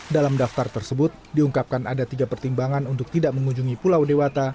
dalam daftar tersebut diungkapkan ada tiga pertimbangan untuk tidak mengunjungi pulau dewata